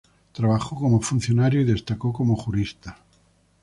Trabajó como funcionario y destacó como jurista.